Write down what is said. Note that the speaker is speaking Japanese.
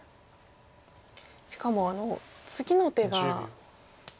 しかも次の手がナラビ。